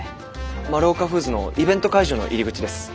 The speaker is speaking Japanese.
マルオカフーズのイベント会場の入り口です。